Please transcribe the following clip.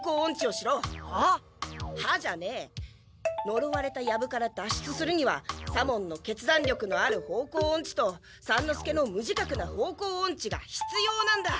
のろわれたヤブから脱出するには左門の「決断力のある方向オンチ」と三之助の「無自覚な方向オンチ」がひつようなんだ！